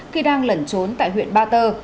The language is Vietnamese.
khi đang lẩn trốn tại huyện ba tơ